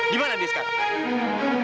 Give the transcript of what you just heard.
dimana dia sekarang